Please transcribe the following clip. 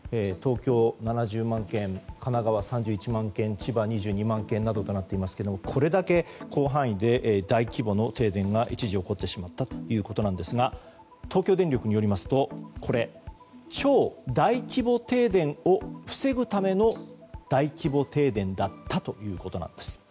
東京７０万軒神奈川３１万軒千葉２２万軒などとなっていますけどこれだけ広範囲で大規模の停電が一時起こってしまったということなんですが東京電力によりますと超大規模停電を防ぐための大規模停電だったということなんです。